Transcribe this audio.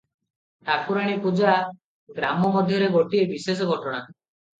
ଠାକୁରାଣୀ ପୂଜା ଗ୍ରାମ ମଧ୍ୟରେ ଗୋଟିଏ ବିଶେଷ ଘଟଣା ।